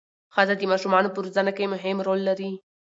ښځه د ماشومانو په روزنه کې مهم رول لري